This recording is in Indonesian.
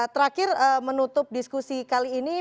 terakhir menutup diskusi kali ini